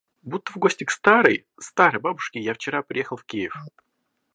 Будто в гости к старой, старой бабушке я вчера приехал в Киев.